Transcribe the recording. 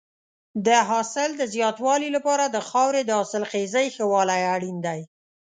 د حاصل د زیاتوالي لپاره د خاورې د حاصلخېزۍ ښه والی اړین دی.